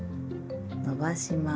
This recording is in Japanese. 伸ばします。